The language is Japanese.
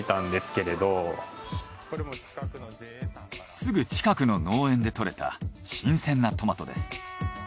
すぐ近くの農園で採れた新鮮なトマトです。